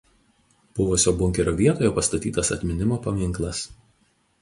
Buvusio bunkerio vietoje pastatytas atminimo paminklas.